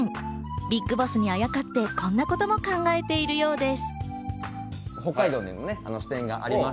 ＢＩＧＢＯＳＳにあやかって、こんなことも考えているようです。